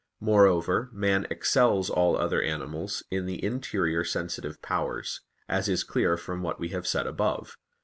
Moreover man excels all other animals in the interior sensitive powers, as is clear from what we have said above (Q.